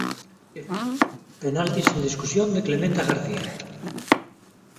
Penalti sen discusión de Clemente a García.